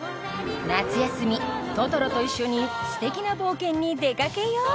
夏休みトトロと一緒にステキな冒険に出掛けよう！